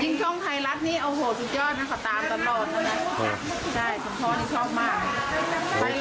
ยิ่งช่องไทยรัฐนี่โอ้โหสุดยอดนะครับตามตลอดนะครับ